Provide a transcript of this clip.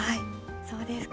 そうですか。